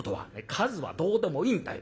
数はどうでもいいんだよ。